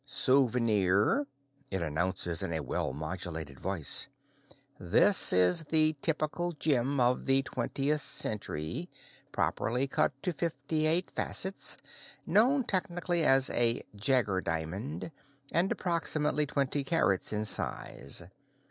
"Souvenir," it announces in a well modulated voice. "This is a typical gem of the twentieth century, properly cut to 58 facets, known technically as a Jaegger diamond, and approximately twenty carats in size.